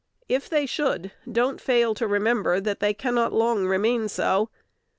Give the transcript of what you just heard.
If they should, don't fail to remember that they cannot long remain so.